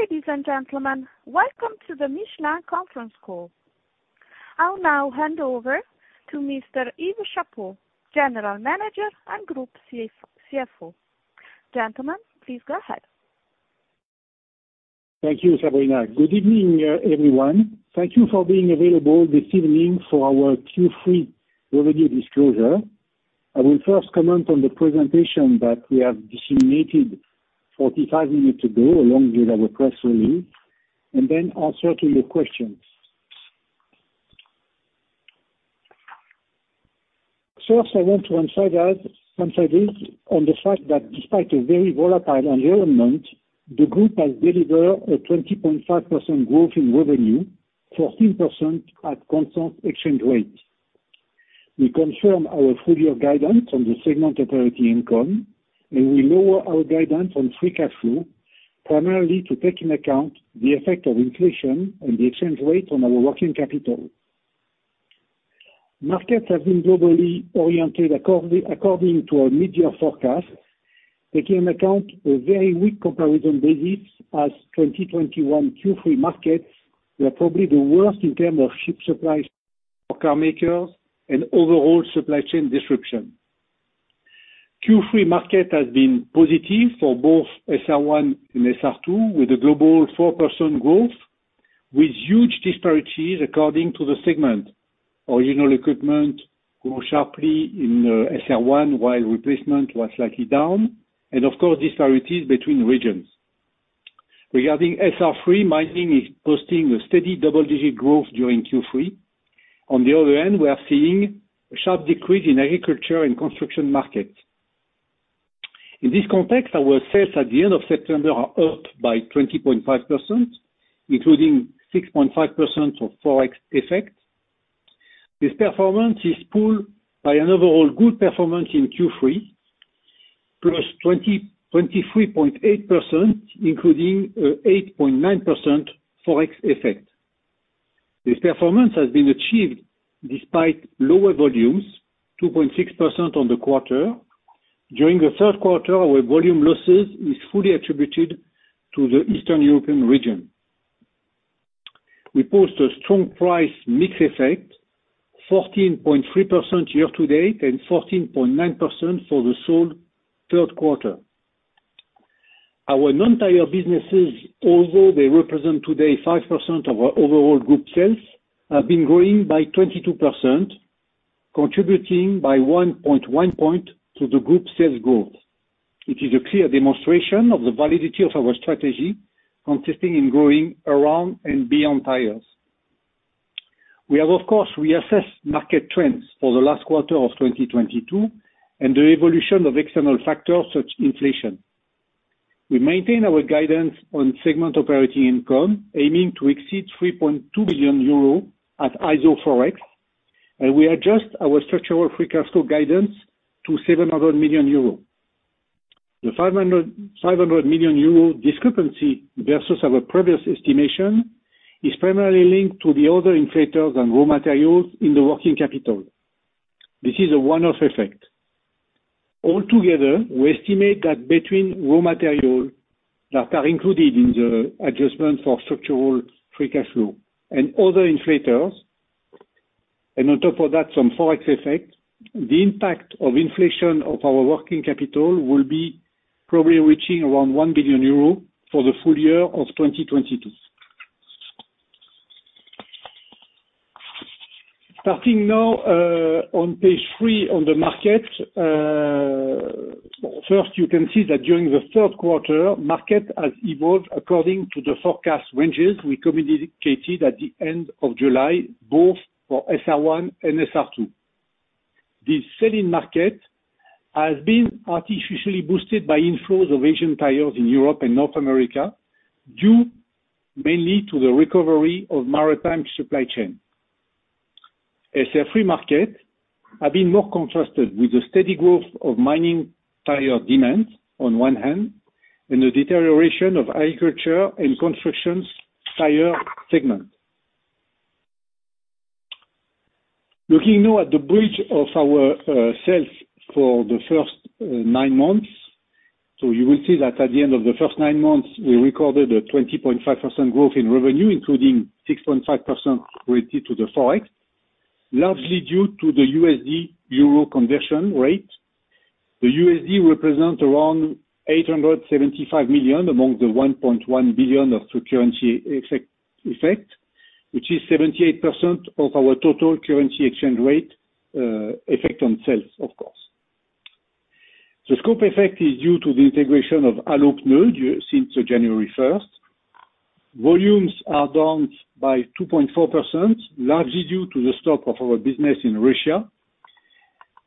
Ladies and gentlemen, welcome to the Michelin conference call. I'll now hand over to Mr. Yves Chapot, General Manager and Group CFO. Gentlemen, please go ahead. Thank you, Sabrina. Good evening, everyone. Thank you for being available this evening for our Q3 revenue disclosure. I will first comment on the presentation that we have disseminated 45 minutes ago, along with our press release, and then answer to your questions. First, I want to emphasize on the fact that despite a very volatile environment, the group has delivered a 20.5% growth in revenue, 14% at constant exchange rates. We confirm our full year guidance on the segment operating income, and we lower our guidance on free cash flow, primarily to take into account the effect of inflation and the exchange rate on our working capital. Markets have been globally oriented according to our mid-year forecast, taking account a very weak comparison basis as 2021 Q3 markets were probably the worst in terms of chip supplies for car makers and overall supply chain disruption. Q3 market has been positive for both SR1 and SR2, with a global 4% growth, with huge disparities according to the segment. Original equipment grew sharply in SR1, while replacement was slightly down, and of course, disparities between regions. Regarding SR3, mining is posting a steady double-digit growth during Q3. On the other end, we are seeing a sharp decrease in agriculture and construction markets. In this context, our sales at the end of September are up by 20.5%, including 6.5% of ForEx effect. This performance is pulled by an overall good performance in Q3, +23.8%, including 8.9% ForEx effect. This performance has been achieved despite lower volumes, 2.6% on the quarter. During the third quarter, our volume losses is fully attributed to the Eastern European region. We post a strong price mix effect, 14.3% year-to-date, and 14.9% for the sole third quarter. Our non-tire businesses, although they represent today 5% of our overall group sales, have been growing by 22%, contributing by 1.1 points to the group sales growth. It is a clear demonstration of the validity of our strategy, consisting in growing around and beyond tires. We have of course reassessed market trends for the last quarter of 2022, and the evolution of external factors such as inflation. We maintain our guidance on segment operating income, aiming to exceed 3.2 billion euros at Iso ForEx, and we adjust our structural free cash flow guidance to 700 million euros. The 500 million euro discrepancy versus our previous estimation is primarily linked to the other inflation and raw materials in the working capital. This is a one-off effect. All together, we estimate that between raw materials that are included in the adjustment for structural free cash flow and other inflation, and on top of that, some ForEx effect, the impact of inflation of our working capital will be probably reaching around 1 billion euro for the full year of 2022. Starting now, on page three on the market. You can see that during the third quarter, market has evolved according to the forecast ranges we communicated at the end of July, both for SR1 and SR2. The selling market has been artificially boosted by inflows of Asian tires in Europe and North America, due mainly to the recovery of maritime supply chain. SR3 market have been more contrasted with the steady growth of mining tire demand on one hand, and the deterioration of agriculture and construction tire segment. Looking now at the bridge of our sales for the first nine months. You will see that at the end of the first nine months, we recorded a 20.5% growth in revenue, including 6.5% related to the ForEx, largely due to the USD Euro conversion rate. The USD represent around $875 million among the 1.1 billion of currency effect, which is 78% of our total currency exchange rate effect on sales, of course. The scope effect is due to the integration of Allopneus since January first. Volumes are down by 2.4%, largely due to the stop of our business in Russia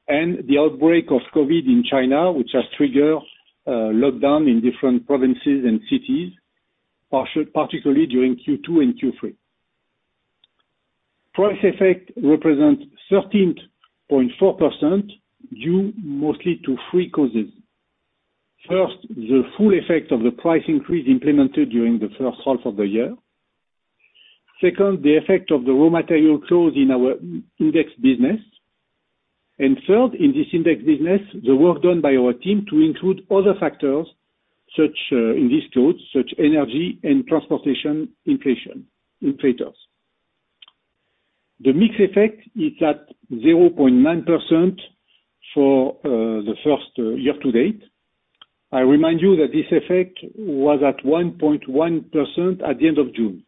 and the outbreak of COVID in China, which has triggered lockdown in different provinces and cities, particularly during Q2 and Q3. Price effect represent 13.4%, due mostly to three causes. First, the full effect of the price increase implemented during the first half of the year. Second, the effect of the raw material clause in our i-index business, and third, in this index business, the work done by our team to include other factors such, in these codes, such energy and transportation inflators. The mix effect is at 0.9% for the first year-to-date. I remind you that this effect was at 1.1% at the end of June.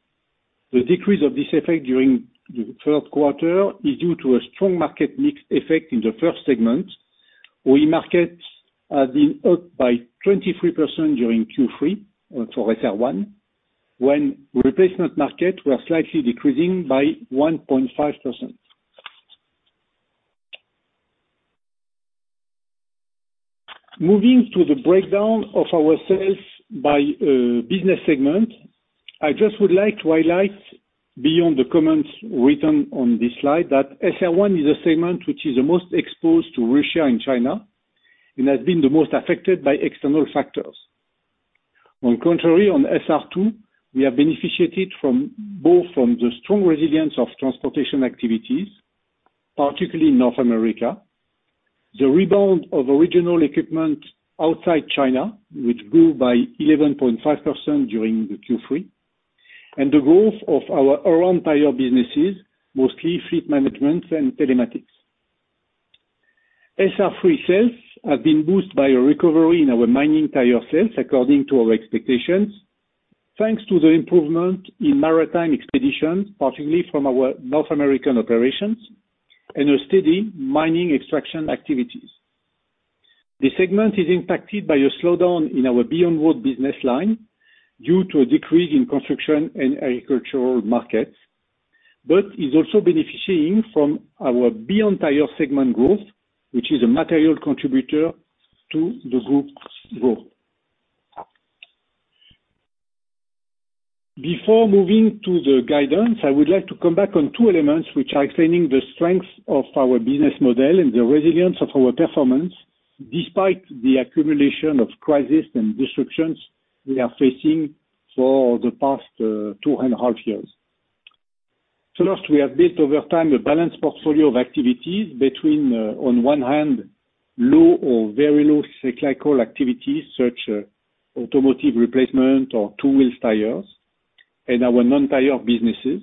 The decrease of this effect during the third quarter is due to a strong market mix effect in the first segment, where markets have been up by 23% during Q3 for SR1, when replacement markets were slightly decreasing by 1.5%. Moving to the breakdown of our sales by business segment, I just would like to highlight beyond the comments written on this slide that SR1 is a segment which is the most exposed to Russia and China and has been the most affected by external factors. On the contrary, SR2 has benefited from both the strong resilience of transportation activities, particularly in North America, the rebound of original equipment outside China, which grew by 11.5% during the Q3, and the growth of our around tire businesses, mostly fleet management and telematics. SR3 sales have been boosted by a recovery in our mining tire sales according to our expectations, thanks to the improvement in maritime expeditions, particularly from our North American operations and a steady mining extraction activities. This segment is impacted by a slowdown in our beyond road business line due to a decrease in construction and agricultural markets, but is also benefiting from our beyond tire segment growth, which is a material contributor to the group's growth. Before moving to the guidance, I would like to come back on two elements, which are explaining the strength of our business model and the resilience of our performance despite the accumulation of crisis and disruptions we are facing for the past 2.5 years. First, we have built over time a balanced portfolio of activities between, on one hand, low or very low cyclical activities such automotive replacement or two-wheel tires and our non-tire businesses.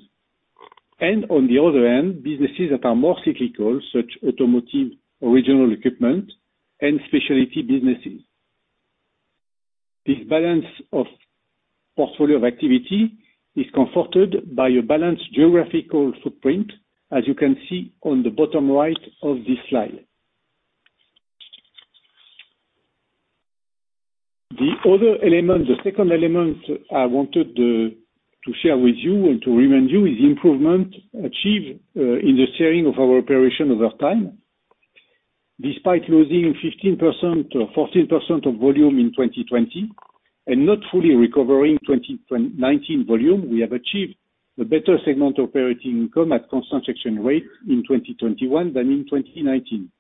On the other hand, businesses that are more cyclical, such automotive, original equipment and specialty businesses. This balance of portfolio of activity is comforted by a balanced geographical footprint, as you can see on the bottom right of this slide. The other element, the second element I wanted to share with you and to remind you is the improvement achieved in the shaping of our operation over time. Despite losing 15% or 14% of volume in 2020 and not fully recovering 2019 volume, we have achieved a better segment operating income at constant exchange rate in 2021 than in 2019.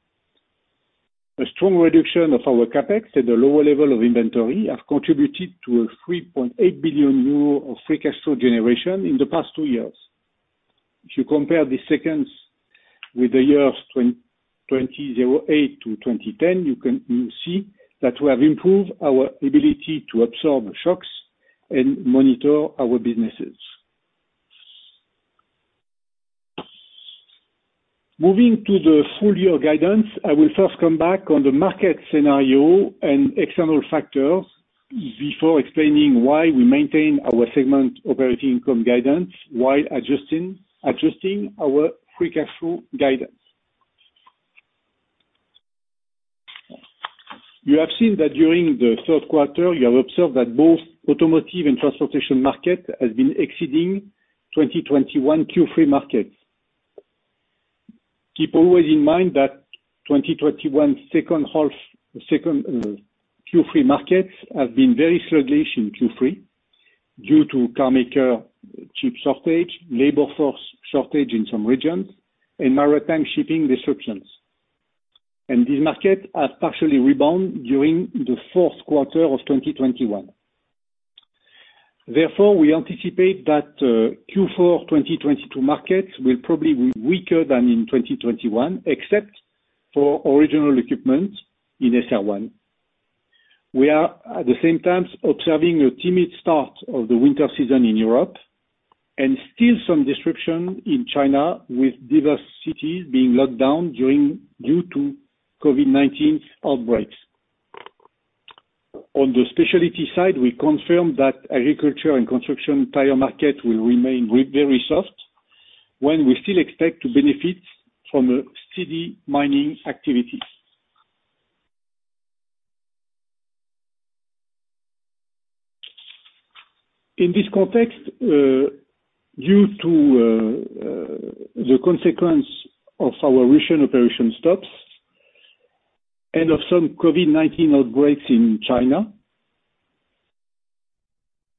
A strong reduction of our CapEx at a lower level of inventory have contributed to 3.8 billion euro of free cash flow generation in the past two years. If you compare the second half with the years 2008 to 2010, you can see that we have improved our ability to absorb shocks and manage our businesses. Moving to the full-year guidance, I will first come back on the market scenario and external factors before explaining why we maintain our segment operating income guidance while adjusting our free cash flow guidance. You have seen that during the third quarter, you have observed that both automotive and transportation market has been exceeding 2021 Q3 markets. Keep always in mind that 2021 second half Q3 markets have been very sluggish in Q3 due to carmaker chip shortage, labor force shortage in some regions and maritime shipping disruptions. These markets have partially rebound during the fourth quarter of 2021. Therefore, we anticipate that Q4 2022 markets will probably be weaker than in 2021, except for original equipment in SR1. We are, at the same time, observing a timid start of the winter season in Europe and still some disruption in China, with diverse cities being locked down due to COVID-19 outbreaks. On the specialty side, we confirm that agriculture and construction tire market will remain very soft, while we still expect to benefit from steady mining activities. In this context, due to the consequence of our recent operation stops and of some COVID-19 outbreaks in China,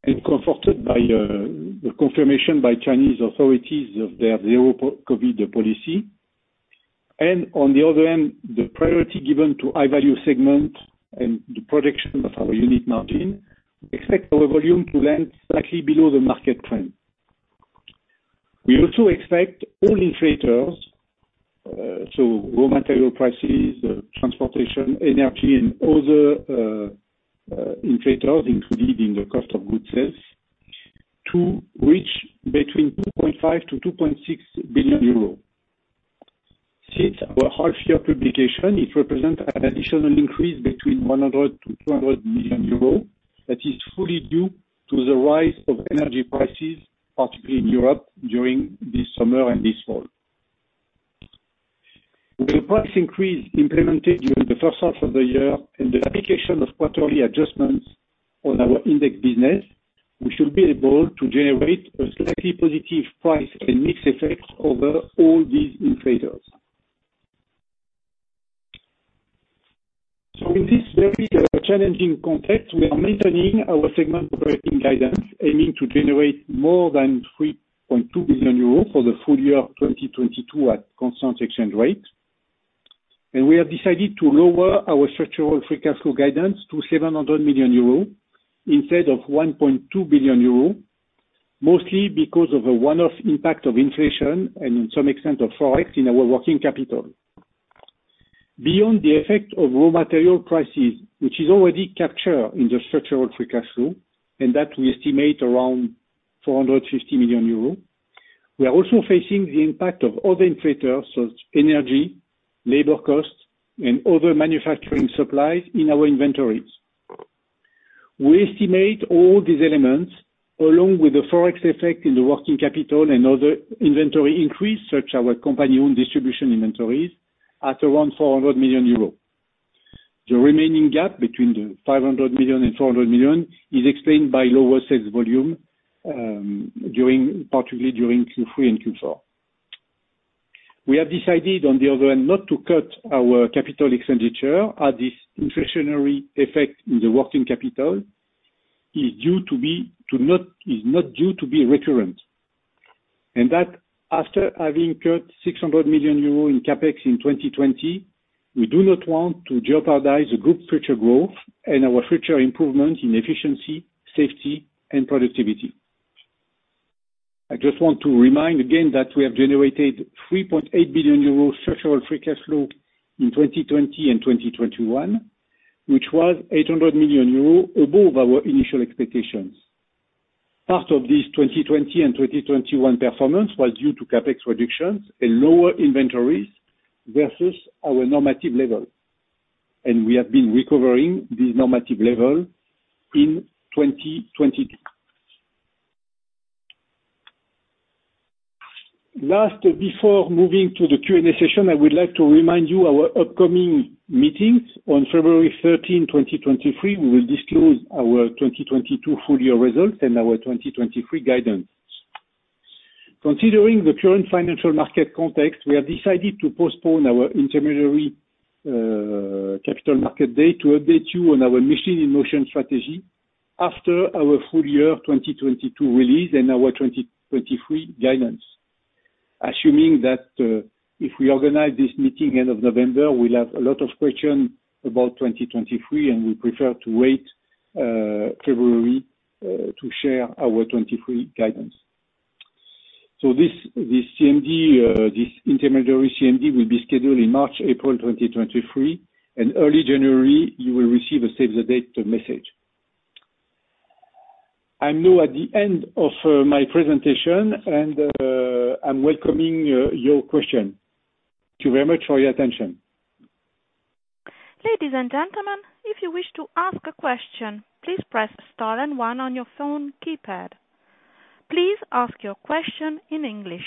and comforted by the confirmation by Chinese authorities of their zero-COVID policy. On the other hand, the priority given to high-value segment and the protection of our unit margin expect our volume to land slightly below the market trend. We also expect all inflators, so raw material prices, transportation, energy and other, inflators included in the cost of goods sold to reach between 2.5 billion-2.6 billion euros. Since our half year publication, it represent an additional increase between 100 million-200 million euros that is fully due to the rise of energy prices, particularly in Europe during this summer and this fall. With the price increase implemented during the first half of the year and the application of quarterly adjustments on our index business, we should be able to generate a slightly positive price and mix effect over all these inflators. In this very challenging context, we are maintaining our segment operating guidance, aiming to generate more than 3.2 billion euros for the full year of 2022 at constant exchange rate. We have decided to lower our structural free cash flow guidance to 700 million euro instead of 1.2 billion euro, mostly because of a one-off impact of inflation and to some extent of Forex in our working capital. Beyond the effect of raw material prices, which is already captured in the structural free cash flow, and that we estimate around 450 million euros, we are also facing the impact of other inflators, such as energy, labor costs and other manufacturing supplies in our inventories. We estimate all these elements along with the Forex effect in the working capital and other inventory increase, such as our company-owned distribution inventories at around 400 million euro. The remaining gap between 500 million and 400 million is explained by lower sales volume, particularly during Q3 and Q4. We have decided, on the other hand, not to cut our capital expenditure as this inflationary effect in the working capital is not due to be recurrent. After having cut 600 million euros in CapEx in 2020, we do not want to jeopardize the group's future growth and our future improvement in efficiency, safety and productivity. I just want to remind again that we have generated 3.8 billion euros structural free cash flow in 2020 and 2021, which was 800 million euros above our initial expectations. Part of this 2020 and 2021 performance was due to CapEx reductions and lower inventories versus our normative level. We have been recovering this normative level in 2022. Last, before moving to the Q&A session, I would like to remind you our upcoming meetings on February 13, 2023. We will disclose our 2022 full year results and our 2023 guidance. Considering the current financial market context, we have decided to postpone our intermediary capital markets day to update you on our Michelin in Motion strategy after our full year of 2022 release and our 2023 guidance. Assuming that, if we organize this meeting end of November, we'll have a lot of questions about 2023, and we prefer to wait February to share our 2023 guidance. This CMD, this intermediary CMD will be scheduled in March, April 2023. In early January, you will receive a save-the-date message. I'm now at the end of my presentation and I'm welcoming your question. Thank you very much for your attention. Ladies and gentlemen, if you wish to ask a question, please press star and one on your phone keypad. Please ask your question in English.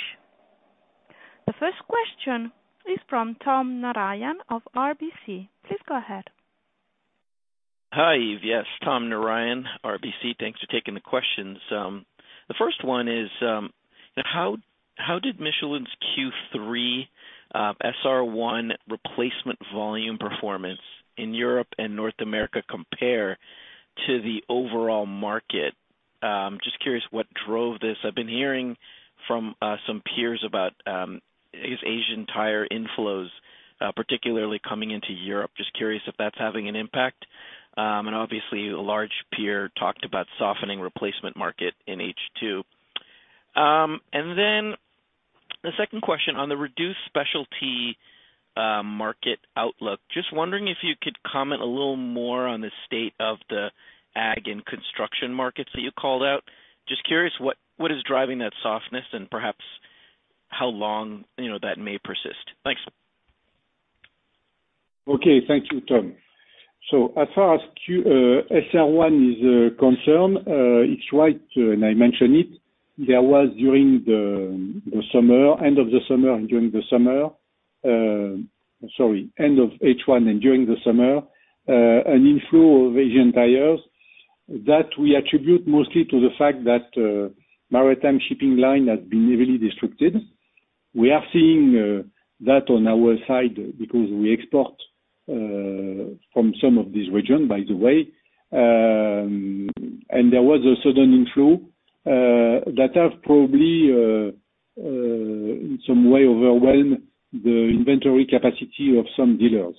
The first question is from Tom Narayan of RBC. Please go ahead. Hi, Yves. Yes, Tom Narayan, RBC. Thanks for taking the questions. The first one is, how did Michelin's Q3 SR1 replacement volume performance in Europe and North America compare to the overall market? Just curious what drove this. I've been hearing from some peers about, I guess Asian tire inflows, particularly coming into Europe. Just curious if that's having an impact. Obviously a large peer talked about softening replacement market in H2. Then the second question on the reduced specialty market outlook, just wondering if you could comment a little more on the state of the Ag and construction markets that you called out. Just curious what is driving that softness and perhaps how long, you know, that may persist. Thanks. Okay. Thank you, Tom. As far as Q3, SR1 is concerned, it's right, and I mentioned it, there was end of H1 and during the summer an inflow of Asian tires that we attribute mostly to the fact that maritime shipping line has been heavily disrupted. We are seeing that on our side because we export from some of these region, by the way. There was a sudden inflow that have probably in some way overwhelmed the inventory capacity of some dealers.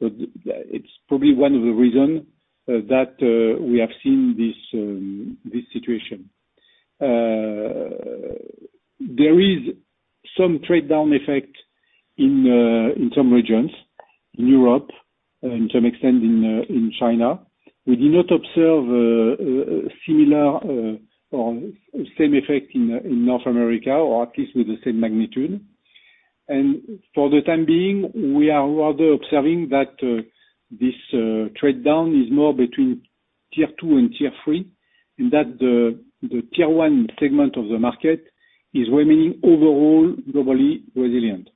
It's probably one of the reason that we have seen this situation. There is some trade down effect in some regions, in Europe and to some extent in China. We do not observe similar or same effect in North America, or at least with the same magnitude. For the time being, we are rather observing that this trade down is more between tier two and tier three, in that the tier one segment of the market is remaining overall globally resilient.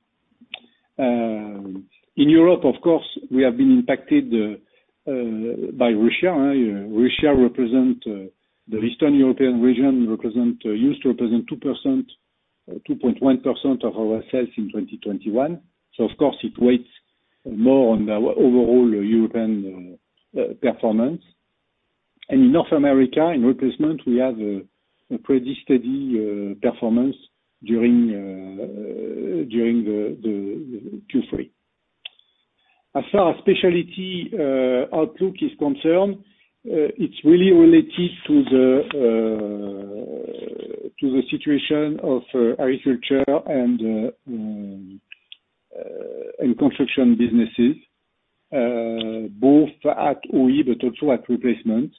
In Europe of course, we have been impacted by Russia. Russia represents the Eastern European region used to represent 2.1% of our sales in 2021. Of course it weighs more on our overall European performance. In North America, in replacement, we have a pretty steady performance during the Q3. As far as specialty outlook is concerned, it's really related to the situation of agriculture and construction businesses, both at OE but also at replacement.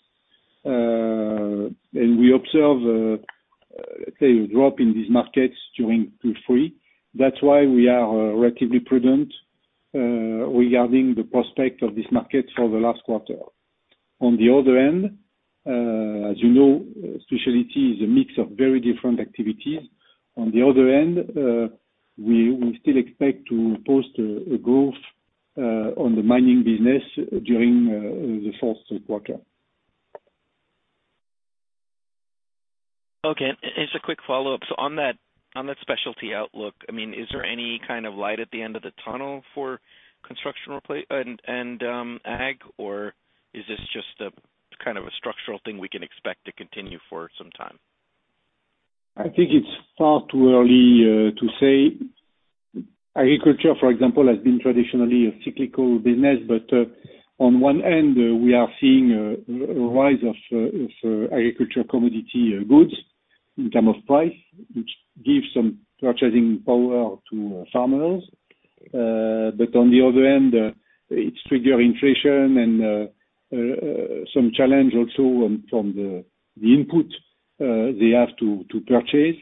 We observe, let's say, a drop in these markets during Q3. That's why we are relatively prudent regarding the prospect of this market for the last quarter. On the other end, as you know, specialty is a mix of very different activities. On the other end, we still expect to post a growth on the mining business during the fourth quarter. Okay. Just a quick follow-up. On that specialty outlook, I mean, is there any kind of light at the end of the tunnel for construction replacement and ag, or is this just a kind of structural thing we can expect to continue for some time? I think it's far too early to say. Agriculture, for example, has been traditionally a cyclical business. On one end, we are seeing a rise of agriculture commodity goods in terms of price, which gives some purchasing power to farmers. On the other end, it's triggering inflation and some challenge also from the input they have to purchase.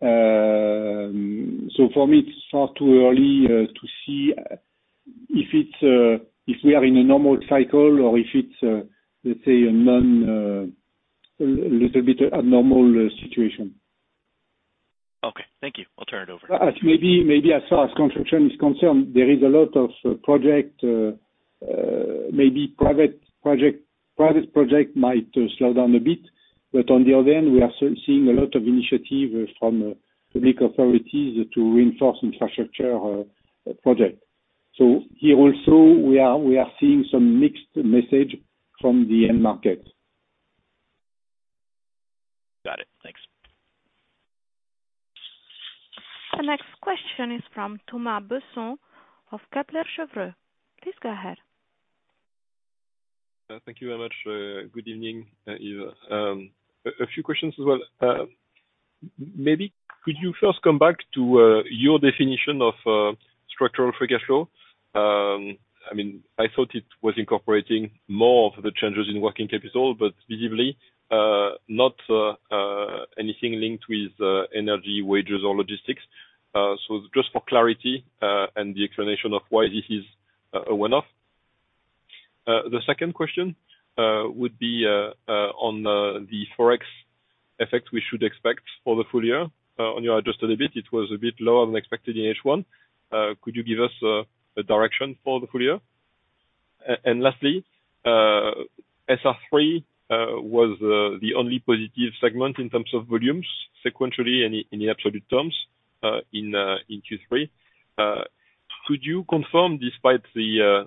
For me, it's far too early to see if we are in a normal cycle or if it's a little bit abnormal situation. Okay, thank you. I'll turn it over. As far as construction is concerned, there is a lot of projects, maybe private projects might slow down a bit, but on the other end, we are seeing a lot of initiatives from public authorities to reinforce infrastructure projects. Here also we are seeing some mixed messages from the end market. Got it. Thanks. The next question is from Thomas Besson of Kepler Cheuvreux. Please go ahead. Thank you very much. Good evening, Yves. A few questions as well. Maybe could you first come back to your definition of structural free cash flow? I mean, I thought it was incorporating more of the changes in working capital, but visibly not anything linked with energy, wages or logistics. Just for clarity and the explanation of why this is a one-off. The second question would be on the ForEx effect we should expect for the full year on your adjusted EBITDA. It was a bit lower than expected in H1. Could you give us a direction for the full year? Lastly, SR3 was the only positive segment in terms of volumes sequentially and in absolute terms in Q3. Could you confirm, despite the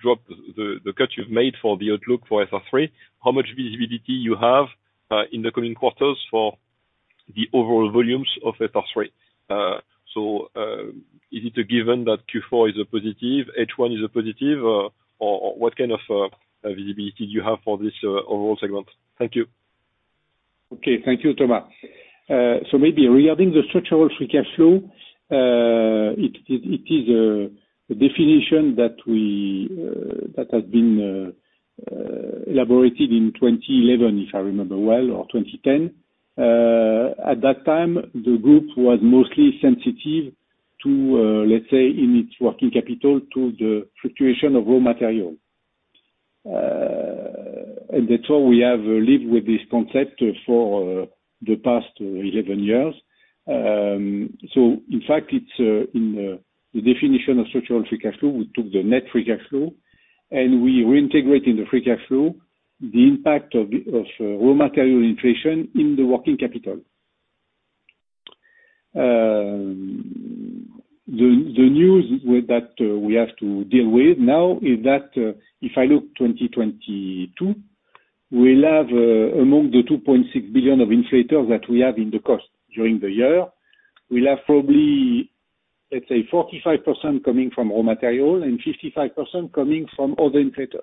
drop, the cut you've made for the outlook for SR3, how much visibility you have in the coming quarters for the overall volumes of SR3? So, is it a given that Q4 is a positive, H1 is a positive, or what kind of visibility do you have for this overall segment? Thank you. Okay. Thank you, Thomas. Maybe regarding the structural free cash flow, it is a definition that has been elaborated in 2011, if I remember well, or 2010. At that time, the group was mostly sensitive to, let's say, in its working capital to the fluctuation of raw material. That's all we have lived with this concept for the past 11 years. In fact, it's in the definition of structural free cash flow, we took the net free cash flow and we reintegrate in the free cash flow the impact of raw material inflation in the working capital. The news with that we have to deal with now is that if I look 2022, we'll have among the 2.6 billion of inflation that we have in the cost during the year, we'll have probably, let's say 45% coming from raw material and 55% coming from other inflation,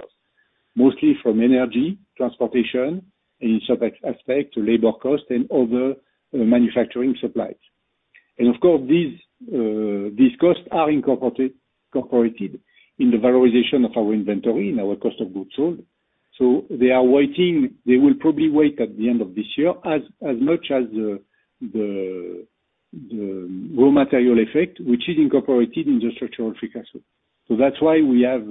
mostly from energy, transportation in some aspects, to labor cost and other manufacturing supplies. Of course, these costs are incorporated in the valorization of our inventory, in our cost of goods sold. They are waiting. They will probably wait at the end of this year as much as the raw material effect, which is incorporated in the structural free cash flow. That's why we have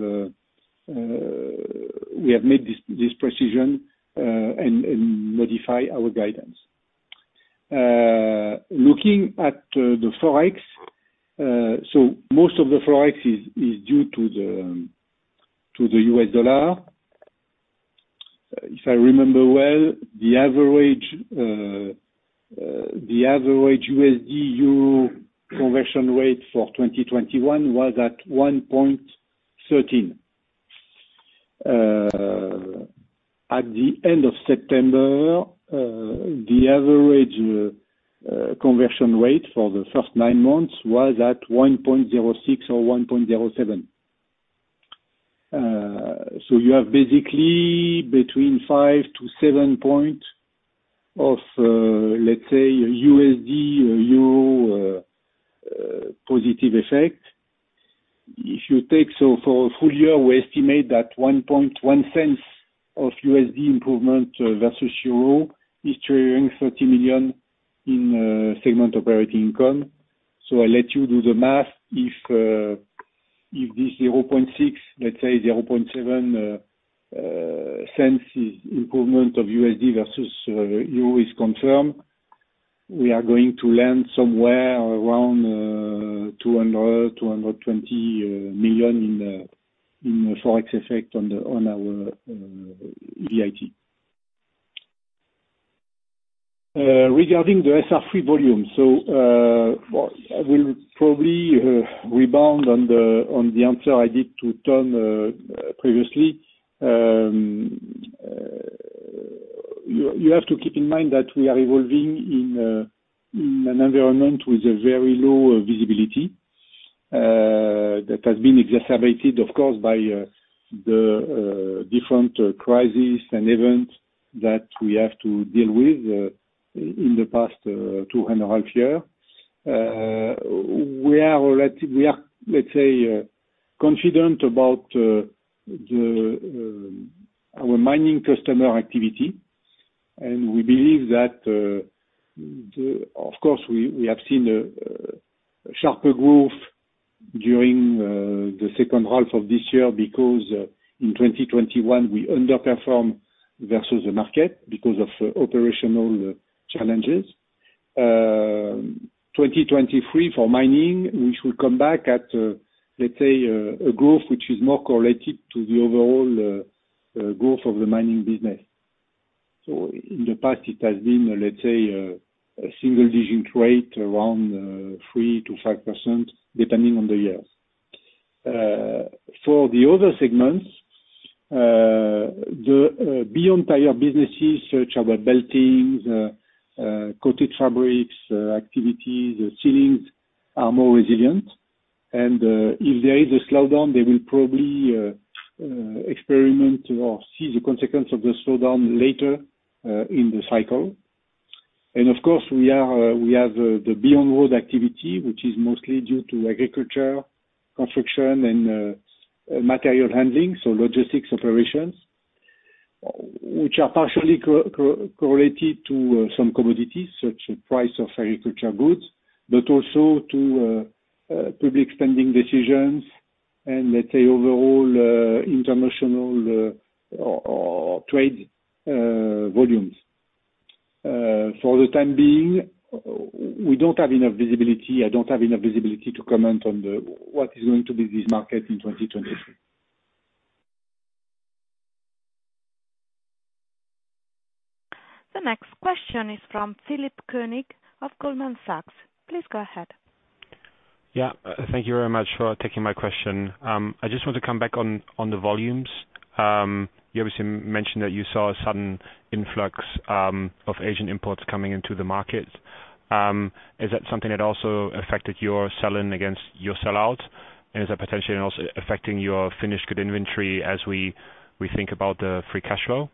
made this precision and modify our guidance. Looking at the Forex, most of the Forex is due to the U.S. dollar. If I remember well, the average USD/Euro conversion rate for 2021 was at 1.13. At the end of September, the average conversion rate for the first nine months was at 1.06 or 1.07. You have basically between 5 and 7 points of, let's say, USD or Euro positive effect. If you take for a full year, we estimate that $0.011 improvement versus euro is triggering 30 million in segment operating income. I let you do the math. If this 0.6, let's say 0.7 cents is improvement of USD versus euro is confirmed, we are going to land somewhere around $200 million-$220 million in the ForEx effect on our EBIT. Regarding the SR3 volume, well, I will probably rebound on the answer I did to Tom previously. You have to keep in mind that we are evolving in an environment with a very low visibility that has been exacerbated, of course, by the different crises and events that we have to deal with in the past two and a half years. We are, let's say, confident about our mining customer activity, and we believe that. Of course, we have seen a sharper growth during the second half of this year because in 2021, we underperformed versus the market because of operational challenges. 2023 for mining, we should come back at, let's say, a growth which is more correlated to the overall growth of the mining business. In the past it has been, let's say, a single digit rate around 3%-5%, depending on the year. For the other segments, the beyond tire businesses such as our belts, coated fabrics, activities, seals are more resilient. If there is a slowdown, they will probably experience or see the consequence of the slowdown later in the cycle. Of course, we have the beyond road activity, which is mostly due to agriculture, construction and material handling, so logistics operations, which are partially correlated to some commodities, such as prices of agricultural goods, but also to public spending decisions and let's say overall international trade volumes. For the time being, we don't have enough visibility. I don't have enough visibility to comment on what is going to be this market in 2023. The next question is from Philip Koenig of Goldman Sachs. Please go ahead. Yeah. Thank you very much for taking my question. I just want to come back on the volumes. You obviously mentioned that you saw a sudden influx of Asian imports coming into the market. Is that something that also affected your sell-in against your sellout? And is that potentially also affecting your finished goods inventory as we think about the free cash flow?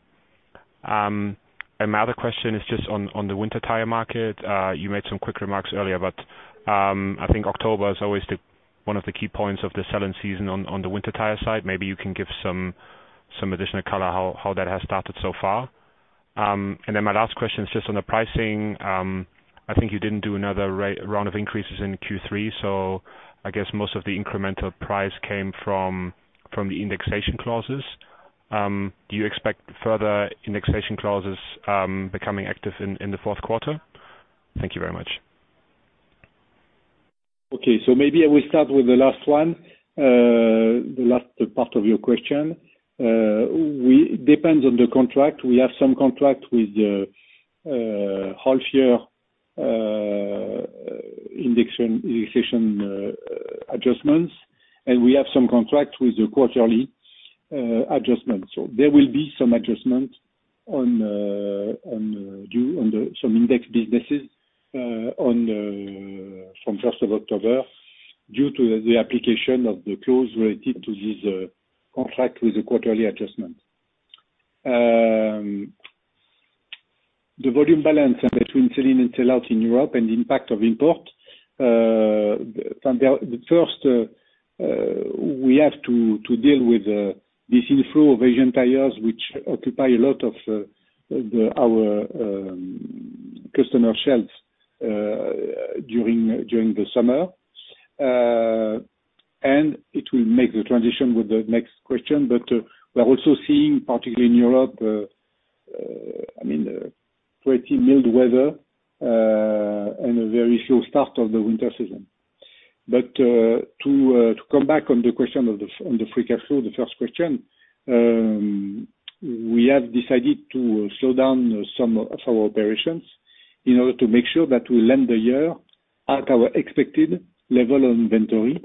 My other question is just on the winter tire market. You made some quick remarks earlier, but I think October is always one of the key points of the selling season on the winter tire side. Maybe you can give some additional color how that has started so far. My last question is just on the pricing. I think you didn't do another round of increases in Q3, so I guess most of the incremental price came from the indexation clauses. Do you expect further indexation clauses becoming active in the fourth quarter? Thank you very much. Okay, maybe I will start with the last one, the last part of your question. Depends on the contract. We have some contract with the half-year indexation adjustments, and we have some contract with the quarterly adjustments. There will be some adjustment due on some indexed businesses from the first of October, due to the application of the clause related to this contract with the quarterly adjustment. The volume balance between sell-in and sell-out in Europe and impact of import. From the outset, we have to deal with this inflow of Asian tires, which occupy a lot of our customer shelves during the summer. It will make the transition with the next question, but we're also seeing, particularly in Europe, I mean, pretty mild weather, and a very slow start of the winter season. To come back on the free cash flow, the first question, we have decided to slow down some of our operations in order to make sure that we land the year at our expected level of inventory,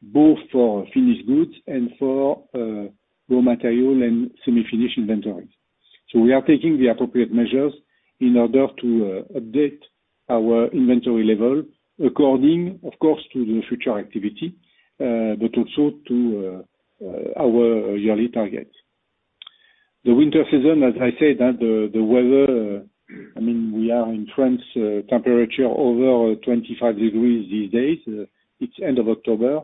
both for finished goods and for raw material and semi-finished inventories. We are taking the appropriate measures in order to update our inventory level according, of course, to the future activity, but also to our yearly target. The winter season, as I said, the weather, I mean, we are in France, temperature over 25 degrees these days. It's end of October.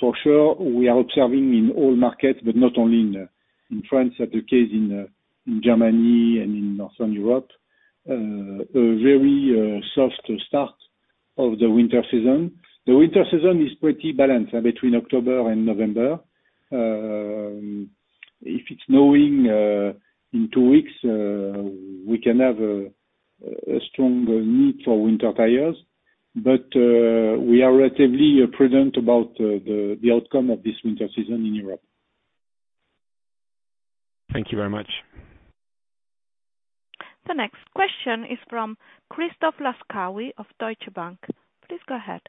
For sure, we are observing in all markets, but not only in France, that the case in Germany and in Northern Europe, a very soft start of the winter season. The winter season is pretty balanced between October and November. If it's snowing in two weeks, we can have a strong need for winter tires. We are relatively prudent about the outcome of this winter season in Europe. Thank you very much. The next question is from Christoph Laskawi of Deutsche Bank. Please go ahead.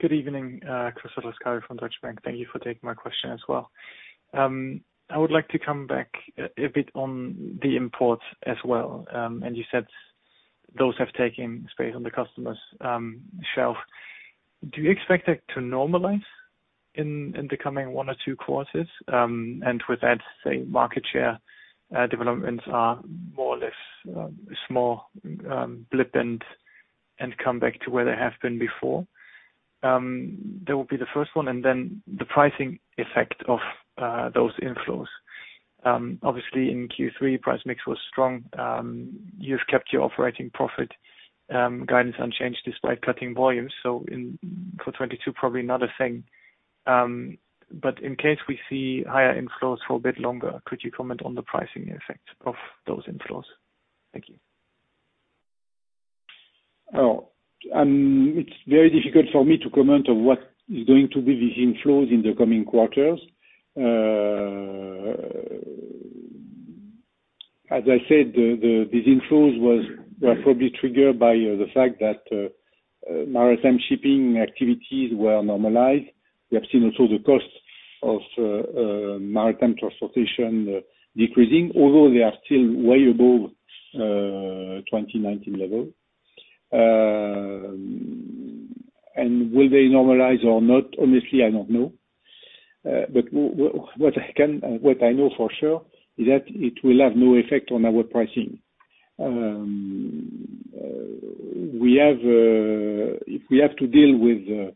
Good evening, Christoph Laskawi from Deutsche Bank. Thank you for taking my question as well. I would like to come back a bit on the imports as well. You said those have taken space on the customer's shelf. Do you expect it to normalize in the coming one or two quarters? With that, say, market share developments are more or less small blip and come back to where they have been before. That will be the first one, and then the pricing effect of those inflows. Obviously in Q3, price mix was strong. You've kept your operating profit guidance unchanged despite cutting volumes. For 2022, probably not a thing. In case we see higher inflows for a bit longer, could you comment on the pricing effect of those inflows? Thank you. It's very difficult for me to comment on what is going to be the inflows in the coming quarters. As I said, these inflows were probably triggered by the fact that maritime shipping activities were normalized. We have seen also the costs of maritime transportation decreasing, although they are still way above 2019 level. Will they normalize or not? Honestly, I don't know. But what I know for sure is that it will have no effect on our pricing. We have if we have to deal with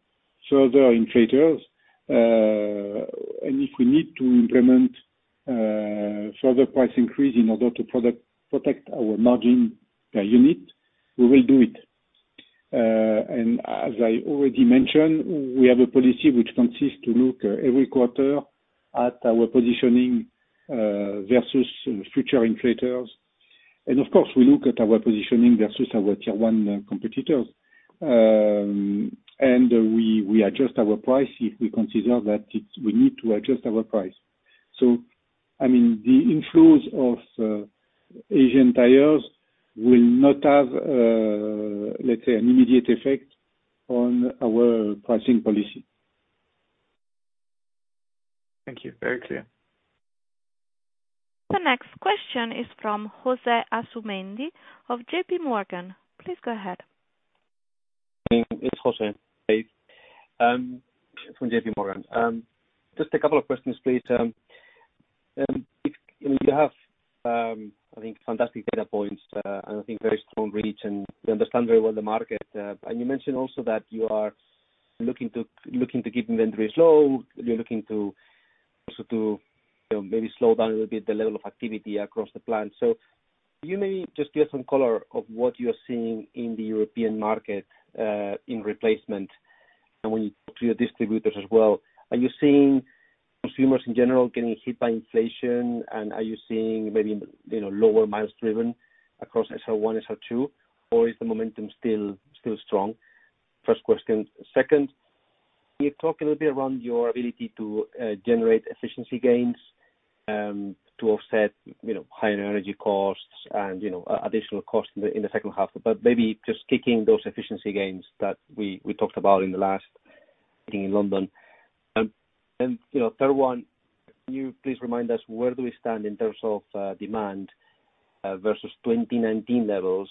further inflation, and if we need to implement further price increase in order to protect our margin per unit, we will do it. As I already mentioned, we have a policy which consists to look every quarter at our positioning versus future inflation. Of course, we look at our positioning versus our tier one competitors. We adjust our price if we consider that we need to adjust our price. I mean, the inflows of Asian tires will not have, let's say, an immediate effect on our pricing policy. Thank you. Very clear. The next question is from Jose Asumendi of JPMorgan. Please go ahead. It's José. From JPMorgan. Just a couple of questions, please. You have, I think, fantastic data points, and I think very strong reach, and you understand very well the market. You mentioned also that you are looking to keep inventories low. You're looking also to, you know, maybe slow down a little bit the level of activity across the plant. Can you maybe just give some color of what you're seeing in the European market, in replacement? When you talk to your distributors as well, are you seeing consumers in general getting hit by inflation? Are you seeing maybe, you know, lower miles driven across SR1, SR2, or is the momentum still strong? First question. Second, can you talk a little bit around your ability to generate efficiency gains to offset, you know, higher energy costs and, you know, additional costs in the second half, but maybe just kicking those efficiency gains that we talked about in the last meeting in London. You know, third one, can you please remind us where do we stand in terms of demand versus 2019 levels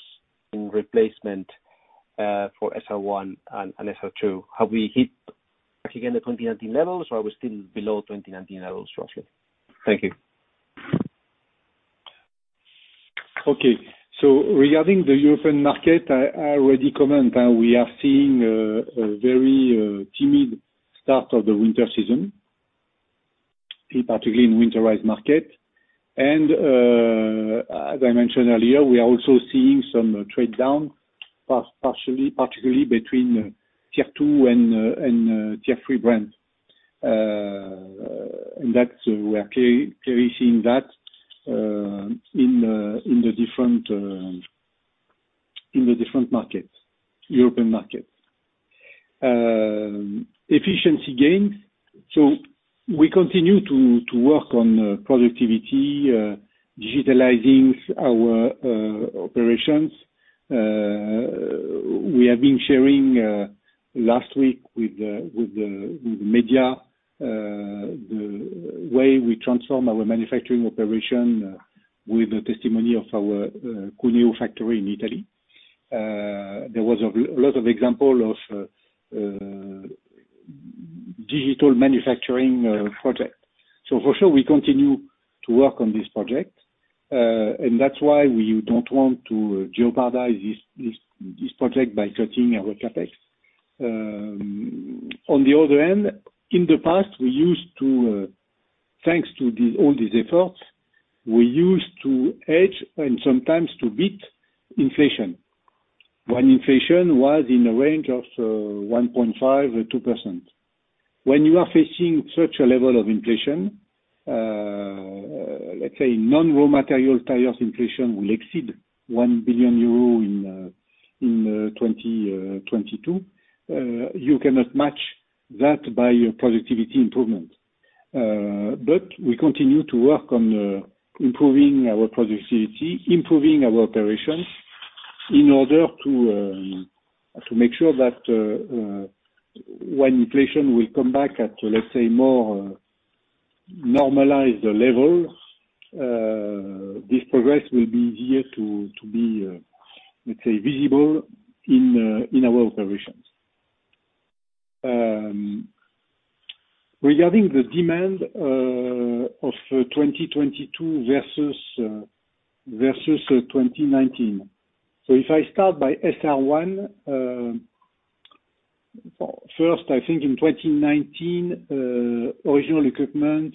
in replacement for SR1 and SR2? Have we hit actually again the 2019 levels, or are we still below 2019 levels roughly? Thank you. Regarding the European market, I already comment that we are seeing a very timid start of the winter season, in particular in winterized market. As I mentioned earlier, we are also seeing some trade down, partially, particularly between tier two and tier three brands. We are clearly seeing that in the different European markets. Efficiency gains. We continue to work on productivity, digitalizing our operations. We have been sharing last week with the media the way we transform our manufacturing operation with the testimony of our Cuneo factory in Italy. There was a lot of example of digital manufacturing project. For sure we continue to work on this project, and that's why we don't want to jeopardize this project by cutting our CapEx. On the other end, in the past we used to, thanks to all these efforts, we used to edge and sometimes to beat inflation. When inflation was in a range of 1.5%-2%. When you are facing such a level of inflation, let's say non-raw material tires inflation will exceed 1 billion euro in 2022. You cannot match that by your productivity improvement. We continue to work on improving our productivity, improving our operations in order to make sure that when inflation will come back at, let's say, more normalized level, this progress will be easier to be, let's say, visible in our operations. Regarding the demand of 2022 versus 2019. If I start by SR1 first, I think in 2019 original equipment,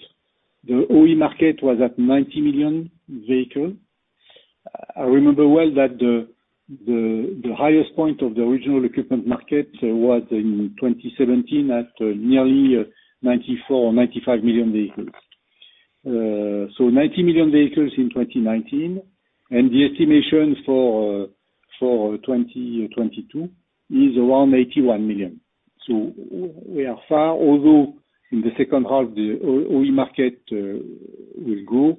the OE market was at 90 million vehicles. I remember well that the highest point of the original equipment market was in 2017 at nearly 94 million-95 million vehicles. 90 million vehicles in 2019, and the estimation for 2022 is around 81 million. We are far, although in the second half, the OE market will grow,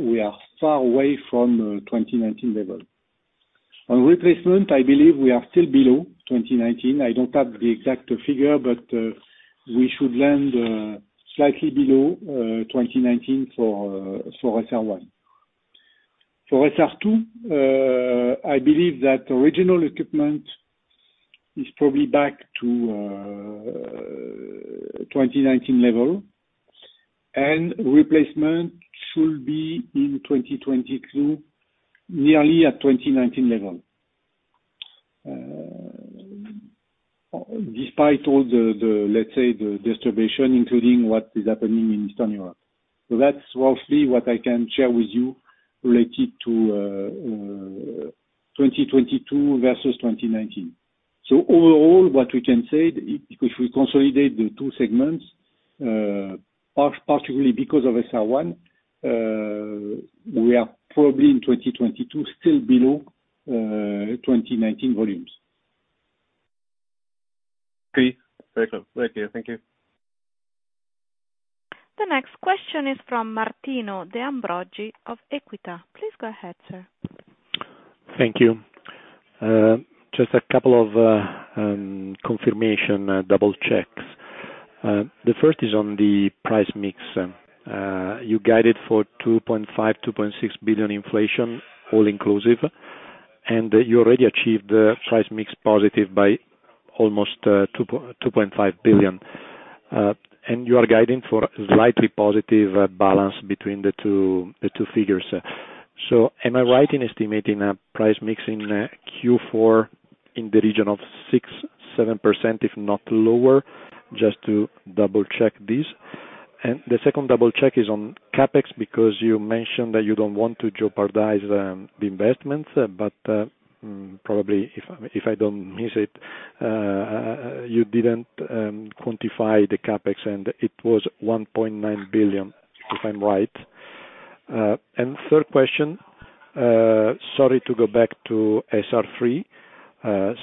we are far away from 2019 level. On replacement, I believe we are still below 2019. I don't have the exact figure, but we should land slightly below 2019 for SR1. For SR2, I believe that original equipment is probably back to 2019 level, and replacement should be in 2022, nearly at 2019 level. Despite all the, let's say, the distribution, including what is happening in Eastern Europe. That's roughly what I can share with you related to 2022 versus 2019. Overall, what we can say, if we consolidate the two segments, particularly because of SR1, we are probably in 2022 still below 2019 volumes. Great. Very clear. Thank you. The next question is from Martino De Ambroggi of Equita. Please go ahead, sir. Thank you. Just a couple of confirmation double checks. The first is on the price mix. You guided for 2.5-2.6 billion inflation all inclusive, and you already achieved the price mix positive by almost 2.5 billion. You are guiding for slightly positive balance between the two figures. Am I right in estimating a price mix in Q4 in the region of 6%-7%, if not lower? Just to double check this. The second double check is on CapEx because you mentioned that you don't want to jeopardize the investments, but probably if I don't miss it, you didn't quantify the CapEx and it was 1.9 billion, if I'm right. Third question, sorry to go back to SR3,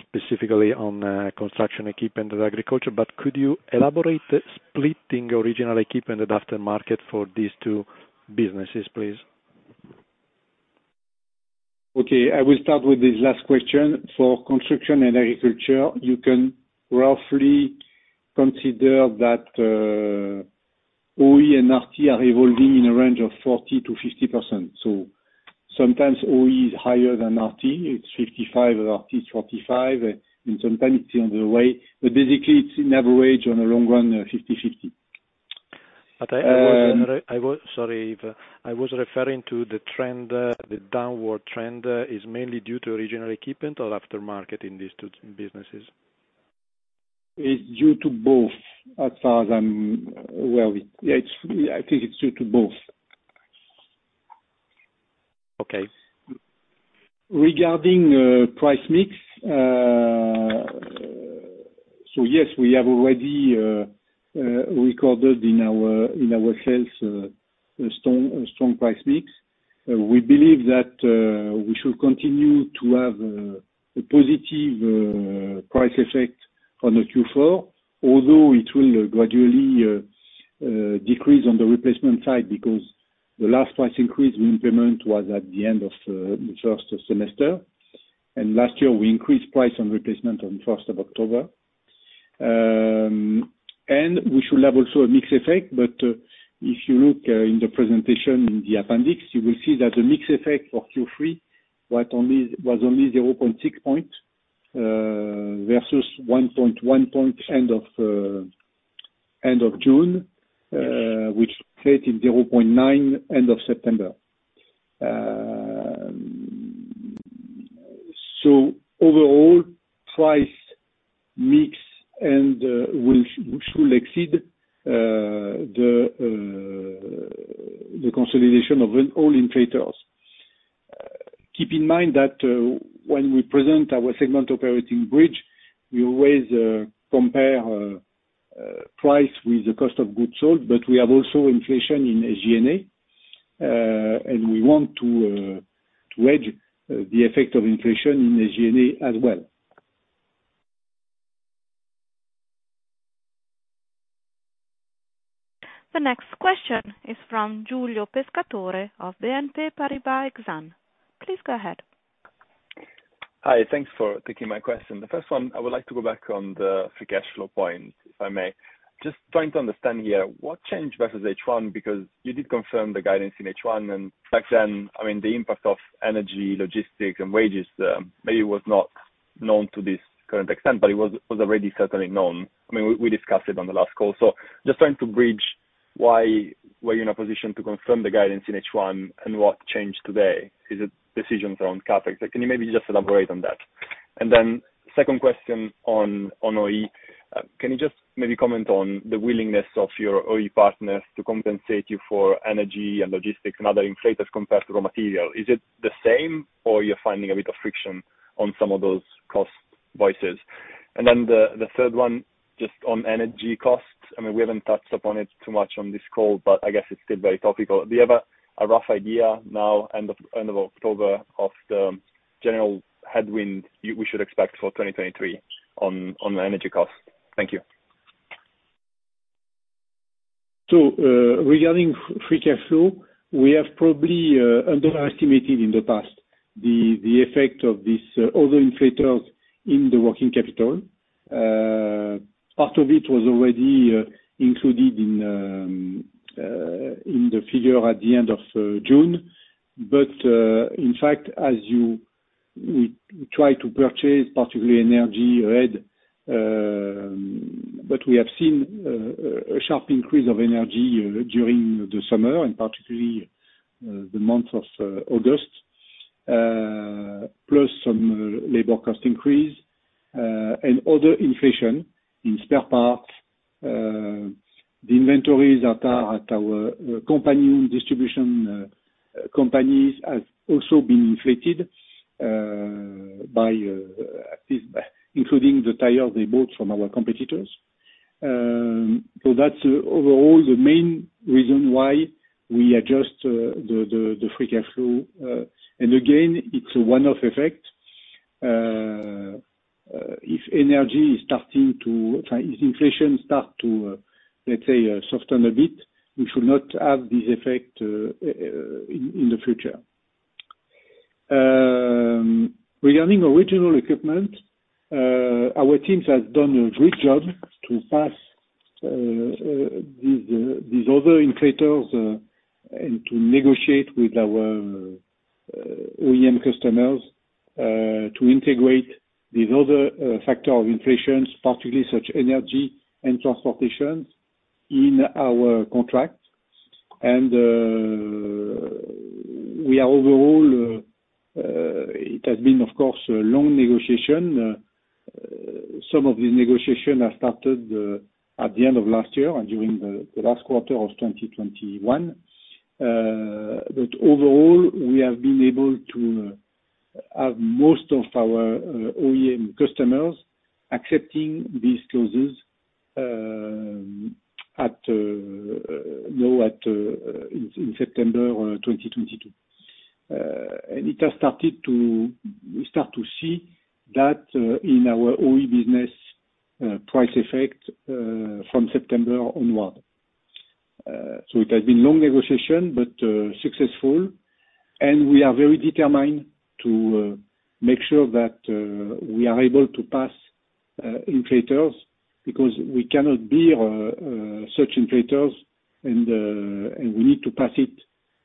specifically on construction equipment and agriculture, but could you elaborate on the splitting of original equipment and aftermarket for these two businesses, please? Okay, I will start with this last question. For construction and agriculture, you can roughly consider that, OE and replacement are evolving in a range of 40%-50%. Sometimes OE is higher than replacement. It's 55%, replacement's 45%, and sometimes it's on the way. Basically, it's an average in the long run, 50/50. Sorry, Yves, I was referring to the trend, the downward trend, is mainly due to original equipment or aftermarket in these two businesses. It's due to both as far as I'm aware. Yeah, it's, yeah, I think it's due to both. Okay. Regarding price mix, yes, we have already recorded in our sales a strong price mix. We believe that we should continue to have a positive price effect on the Q4, although it will gradually decrease on the replacement side because the last price increase we implemented was at the end of the first semester. Last year, we increased price on replacement on first of October. We should have also a mix effect. If you look in the presentation in the appendix, you will see that the mix effect for Q3 was only 0.6 point versus 1.1 point end of June, which created 0.9 end of September. Overall price mix, which will exceed the consolidation of annual inflation. Keep in mind that when we present our segment operating bridge, we always compare price with the cost of goods sold, but we have also inflation in SG&A, and we want to hedge the effect of inflation in SG&A as well. The next question is from Giulio Pescatore of BNP Paribas Exane. Please go ahead. Hi. Thanks for taking my question. The first one, I would like to go back on the free cash flow point, if I may. Just trying to understand here what changed versus H1, because you did confirm the guidance in H1 and back then, I mean, the impact of energy, logistics and wages, maybe was not known to this current extent, but it was already certainly known. I mean, we discussed it on the last call. Just trying to bridge why were you in a position to confirm the guidance in H1 and what changed today? Is it decisions around CapEx? Can you maybe just elaborate on that? Then second question on OE. Can you just maybe comment on the willingness of your OE partners to compensate you for energy and logistics and other inflators compared to raw material? Is it the same or you're finding a bit of friction on some of those cost vectors? Then the third one just on energy costs. I mean, we haven't touched upon it too much on this call, but I guess it's still very topical. Do you have a rough idea now, end of October of the general headwind we should expect for 2023 on energy costs? Thank you. Regarding free cash flow, we have probably underestimated in the past the effect of this other inflators in the working capital. Part of it was already included in the figure at the end of June. In fact, as we try to purchase particularly energy ahead, but we have seen a sharp increase of energy during the summer and particularly the month of August, plus some labor cost increase and other inflation in spare parts. The inventories at our company-owned distribution companies has also been inflated by at least including the tires they bought from our competitors. That's overall the main reason why we adjust the free cash flow. Again, it's a one-off effect. If inflation starts to, let's say, soften a bit, we should not have this effect in the future. Regarding original equipment, our teams has done a great job to pass these other inflation and to negotiate with our OEM customers to integrate these other factor of inflation, particularly such energy and transportation in our contract. Overall, it has been of course a long negotiation. Some of the negotiation have started at the end of last year and during the last quarter of 2021. But overall, we have been able to have most of our OEM customers accepting these clauses, you know, in September of 2022. It has started to. We start to see that in our OE business price effect from September onward. It has been long negotiation, but successful. We are very determined to make sure that we are able to pass inflation because we cannot bear such inflation and we need to pass it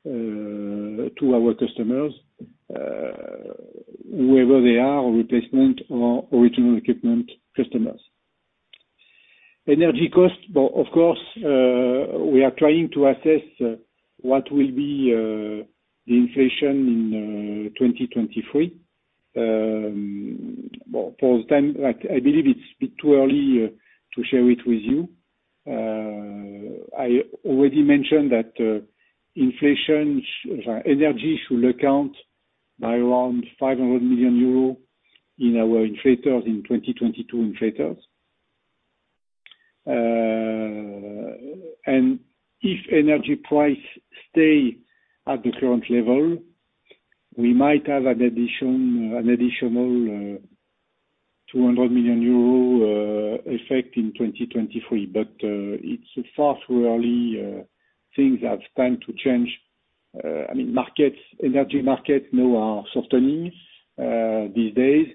to our customers, whoever they are, replacement or original equipment customers. Energy costs. Well, of course, we are trying to assess what will be the inflation in 2023. Well, for the time, like, I believe it's a bit too early to share it with you. I already mentioned that inflation, energy should account for around 500 million euros in our inflation in 2022. If energy prices stay at the current level, we might have an additional 200 million euro effect in 2023. It's far too early. Things have time to change. I mean, energy markets now are softening these days.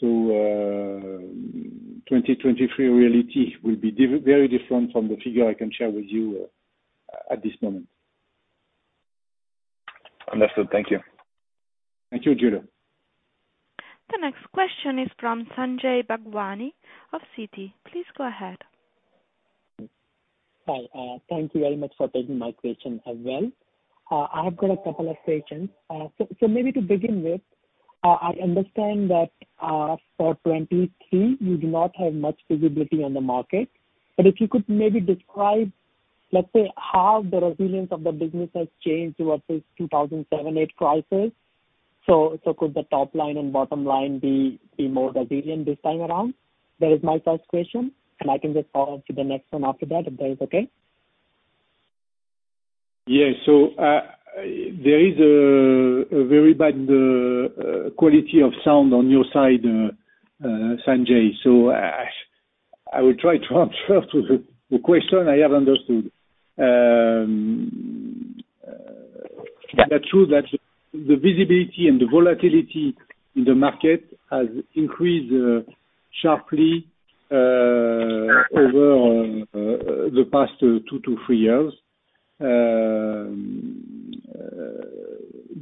2023 reality will be very different from the figure I can share with you at this moment. Understood. Thank you. Thank you, Giulio. The next question is from Sanjay Bhagwani of Citi. Please go ahead. Hi. Thank you very much for taking my question as well. I have got a couple of questions. Maybe to begin with, I understand that, for 2023, you do not have much visibility on the market, but if you could maybe describe, let's say, how the resilience of the business has changed versus 2007-2008 crisis. Could the top line and bottom line be more resilient this time around? That is my first question, and I can just follow up to the next one after that, if that is okay. Yeah, there is a very bad quality of sound on your side, Sanjay. I will try to answer first with the question I have understood. That's true that the visibility and the volatility in the market has increased sharply over the past two-three years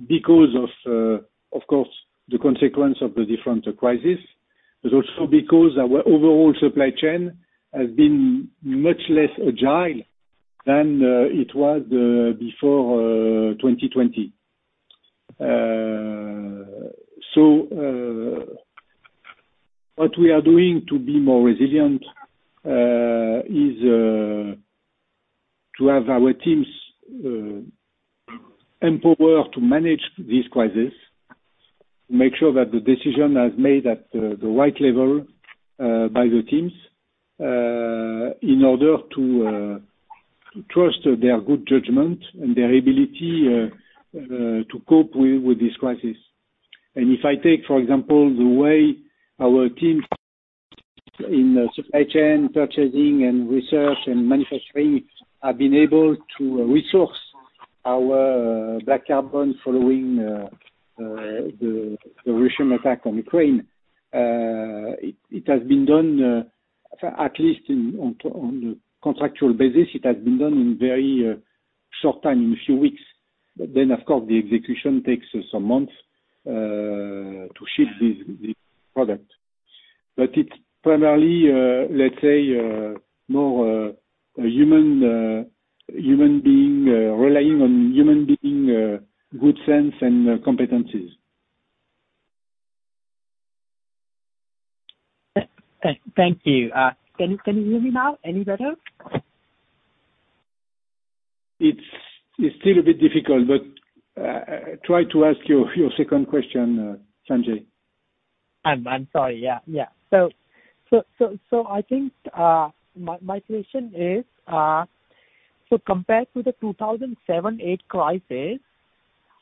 because of course, the consequence of the different crisis, but also because our overall supply chain has been much less agile than it was before 2020. What we are doing to be more resilient is to have our teams empowered to manage this crisis, make sure that the decision is made at the right level by the teams in order to trust their good judgment and their ability to cope with this crisis. If I take, for example, the way our team in the supply chain, purchasing and research and manufacturing, have been able to resource our carbon black following the Russian attack on Ukraine, it has been done, at least on the contractual basis, in very short time, in a few weeks. Then, of course, the execution takes some months to ship the product. It's primarily, let's say, more a human being relying on good sense and competencies. Thank you. Can you hear me now any better? It's still a bit difficult, but try to ask your second question, Sanjay. I'm sorry. Yeah. I think my question is, compared to the 2007/2008 crisis,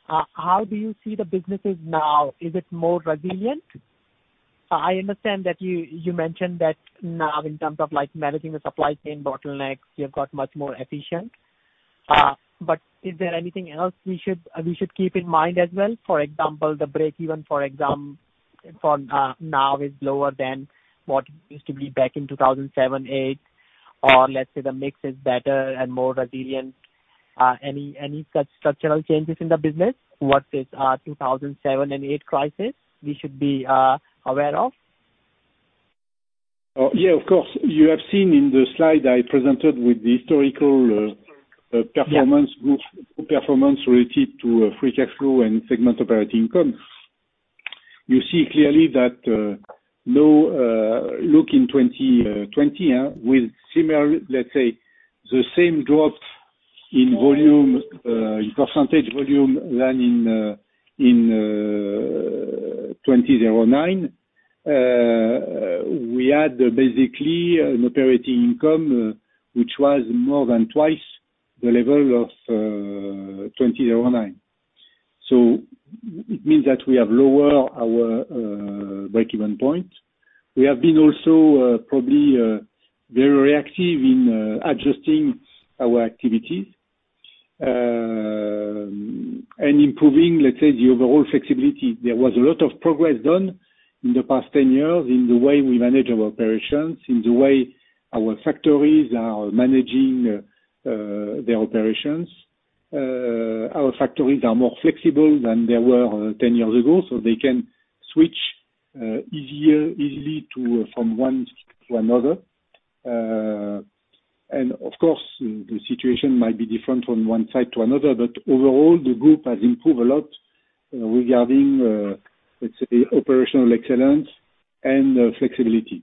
how do you see the businesses now? Is it more resilient? I understand that you mentioned that now in terms of like managing the supply chain bottlenecks, you have got much more efficient. Is there anything else we should keep in mind as well? For example, the breakeven for now is lower than what used to be back in 2007/2008, or let's say the mix is better and more resilient. Any such structural changes in the business versus the 2007 and 2008 crisis we should be aware of? Yeah, of course. You have seen in the slide I presented with the historical performance related to free cash flow and segment operating income. You see clearly that look in 2020 with similar, let's say, the same drop in volume in percentage volume than in 2009. We had basically an operating income which was more than twice the level of 2009. It means that we have lowered our breakeven point. We have been also probably very reactive in adjusting our activities and improving, let's say, the overall flexibility. There was a lot of progress done in the past 10 years in the way we manage our operations, in the way our factories are managing their operations. Our factories are more flexible than they were 10 years ago, so they can switch easily to, from one to another. Of course, the situation might be different from one site to another, but overall, the group has improved a lot regarding, let's say, operational excellence and flexibility.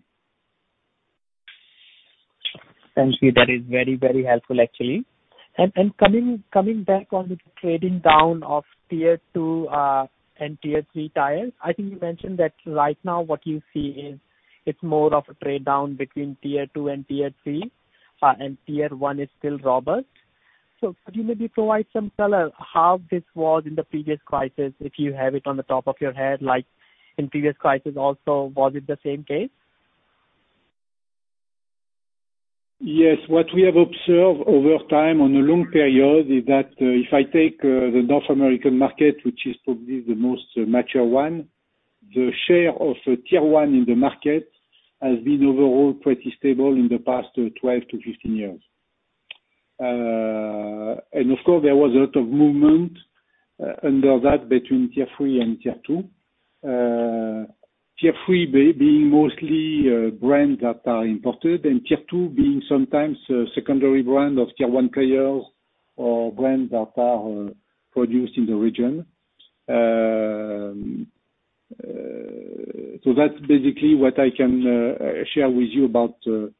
Thank you. That is very, very helpful actually. Coming back on the trading down of tier two and tier three tires. I think you mentioned that right now what you see is it's more of a trade down between tier two and tier three, and tier one is still robust. Could you maybe provide some color how this was in the previous crisis, if you have it on the top of your head, like in previous crisis also, was it the same case? Yes. What we have observed over time on a long period is that, if I take the North American market, which is probably the most mature one, the share of tier one in the market has been overall pretty stable in the past 12-15 years. Of course, there was a lot of movement under that between Tier 3 and Tier 2. Tier 3 being mostly brands that are imported and tier two being sometimes a secondary brand of tier one players or brands that are produced in the region. That's basically what I can share with you about the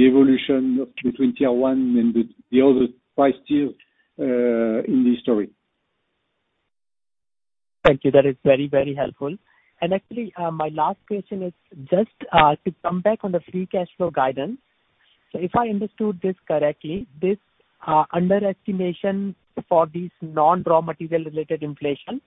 evolution between tier one and the other price tier in this story. Thank you. That is very, very helpful. Actually, my last question is just to come back on the free cash flow guidance. If I understood this correctly, this underestimation for these non-raw material related inflation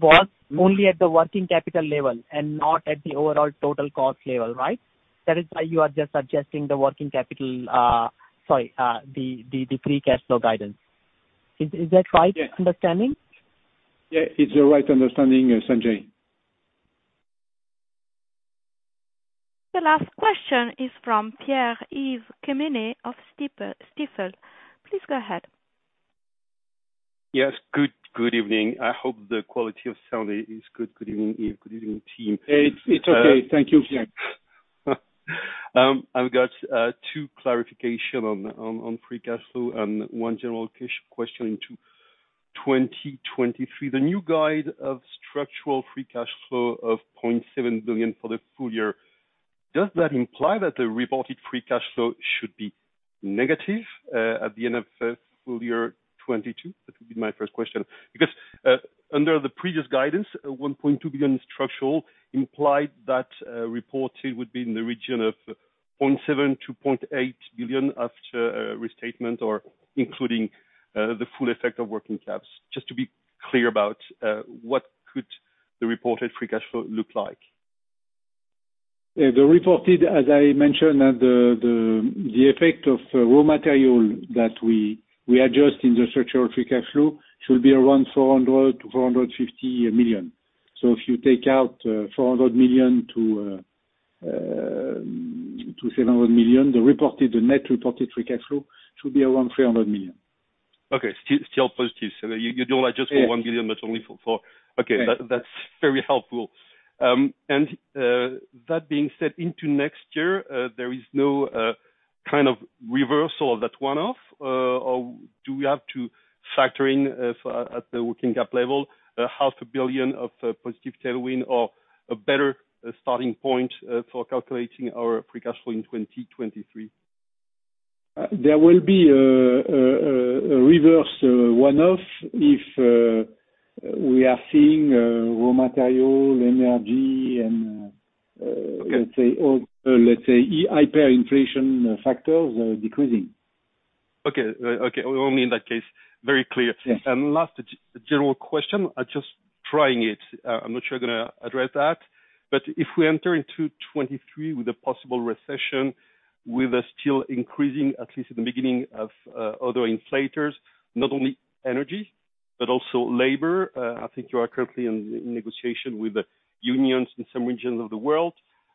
was only at the working capital level and not at the overall total cost level, right? That is why you are just adjusting the working capital. Sorry, the free cash flow guidance. Is that right? Yes. -understanding? Yeah, it's the right understanding, Sanjay. The last question is from Pierre-Yves Quéméner of Stifel. Please go ahead. Yes. Good evening. I hope the quality of sound is good. Good evening, Yves. Good evening, team. It's okay. Thank you, Pierre. I've got two clarifications on free cash flow and one general question on 2023. The new guidance of structural free cash flow of 0.7 billion for the full year, does that imply that the reported free cash flow should be negative at the end of full year 2022? That would be my first question. Under the previous guidance, 1.2 billion structural implied that reported would be in the region of 0.7-0.8 billion after restatement or including the full effect of working capital. Just to be clear about what could the reported free cash flow look like. The reported, as I mentioned, the effect of raw material that we adjust in the structural free cash flow should be around 400 million-450 million. If you take out 400 million-700 million, the net reported free cash flow should be around 300 million. Okay. Still positive. You don't adjust for 1 billion, but only for. Yes. Okay. Yes. That's very helpful. That being said, into next year, there is no kind of reversal of that one-off? Do we have to factor in, at the working cap level, EUR half a billion of positive tailwind or a better starting point, for calculating our free cash flow in 2023? There will be a reverse one-off if we are seeing raw material, energy and Okay. Let's say, hyperinflation factors decreasing. Okay. Okay. Only in that case. Very clear. Yes. Last, a general question. Just trying it, I'm not sure you're gonna address that, but if we enter into 2023 with a possible recession, with a still increasing, at least at the beginning of, other inflators, not only energy, but also labor, I think you are currently in negotiation with the unions in some regions of the world,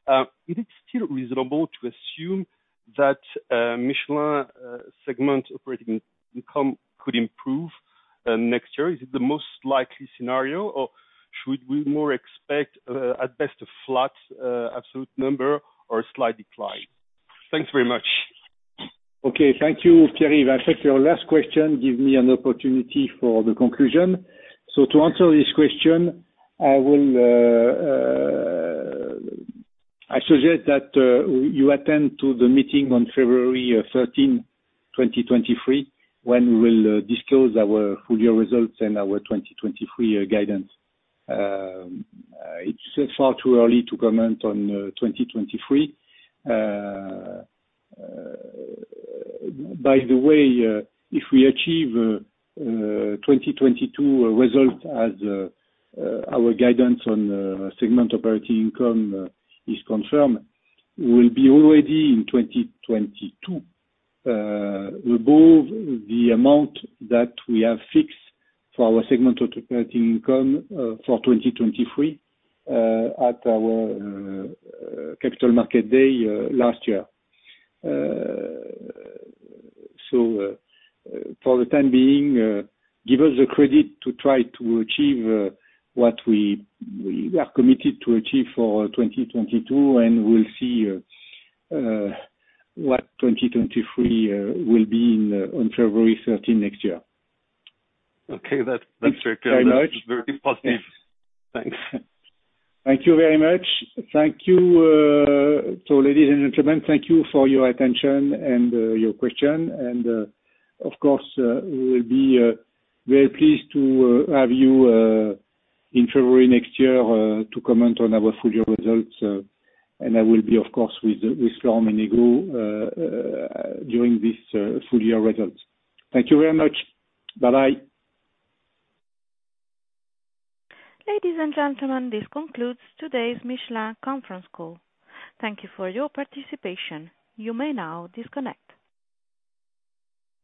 is it still reasonable to assume that Michelin segment operating income could improve? Next year is the most likely scenario, or should we more expect, at best a flat, absolute number or a slight decline? Thanks very much. Okay, thank you, Pierre-Yves Quéméner. In fact, your last question give me an opportunity for the conclusion. To answer this question, I will, I suggest that you attend to the meeting on February 13, 2023, when we will disclose our full year results and our 2023 guidance. It's still far too early to comment on 2023. By the way, if we achieve 2022 results as our guidance on segment operating income is confirmed, we'll be already in 2022 above the amount that we have fixed for our segment operating income for 2023 at our capital market day last year. For the time being, give us the credit to try to achieve what we are committed to achieve for 2022, and we'll see what 2023 will be in on February 13 next year. Okay, that's very clear. Very much. That's very positive. Yes. Thanks. Thank you very much. Thank you. So ladies and gentlemen, thank you for your attention and your question. Of course, we'll be very pleased to have you in February next year to comment on our full year results. I will be of course with Florent and Ingo during this full year results. Thank you very much. Bye-bye. Ladies and gentlemen, this concludes today's Michelin conference call. Thank you for your participation. You may now disconnect.